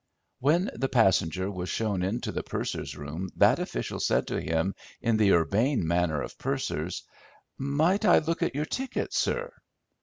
When the passenger was shown into the purser's room that official said to him, in the urbane manner of pursers— "Might I look at your ticket, sir?"